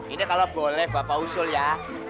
ini kalau boleh bapak usul ya